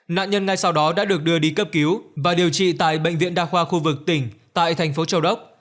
nạn nhân ngay sau đó đã được đưa đi cấp cứu và điều trị tại bệnh viện đa khoa khu vực tỉnh tại thành phố châu đốc